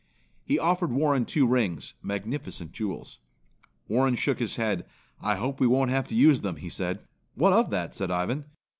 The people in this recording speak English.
He offered Warren two rings, magnificent jewels. Warren shook his head. "I hope we won't have to use them," he said. "What of that?" said Ivan.